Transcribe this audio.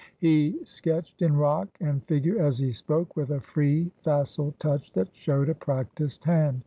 He sketched in rock and figure as he spoke, with a free facile touch that showed a practised hand.